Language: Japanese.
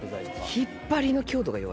引っ張りの強度が弱い。